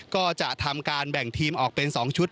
ก็จะทำการแบ่งทีมออกเป็น๒ชุด